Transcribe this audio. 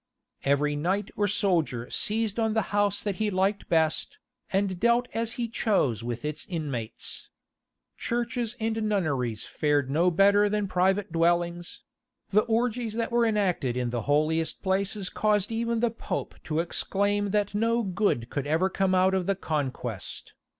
Every knight or soldier seized on the house that he liked best, and dealt as he chose with its inmates. Churches and nunneries fared no better than private dwellings; the orgies that were enacted in the holiest places caused even the Pope to exclaim that no good could ever come out of the conquest.